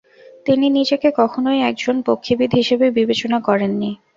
তিনি নিজেকে কখনই একজন পক্ষীবিদ হিসেবে বিবেচনা করেননি।